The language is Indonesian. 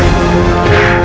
kami akan menangkap kalian